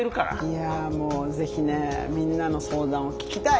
いやもうぜひねみんなの相談を聞きたい。